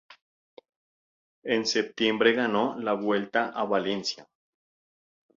En septiembre ganó la Vuelta a Valencia.